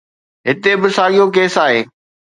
هتي به ساڳيو ڪيس آهي.